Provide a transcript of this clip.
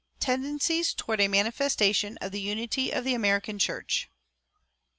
TENDENCIES TOWARD A MANIFESTATION OF THE UNITY OF THE AMERICAN CHURCH.